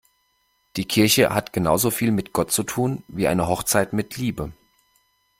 Die Kirche hat genauso viel mit Gott zu tun wie eine Hochzeit mit Liebe.